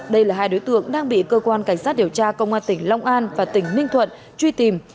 đây là hai đối tượng đang bị cơ quan cảnh sát điều tra công an tỉnh long an và tỉnh ninh thuận truy tìm